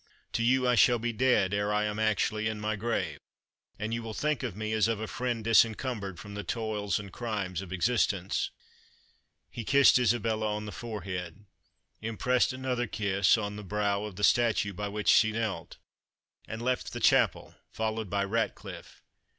To you I shall be dead ere I am actually in my grave, and you will think of me as of a friend disencumbered from the toils and crimes of existence." He kissed Isabella on the forehead, impressed another kiss on the brow of the statue by which she knelt, and left the chapel followed by Ratcliffe.